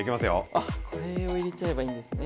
あっこれを入れちゃえばいいんですね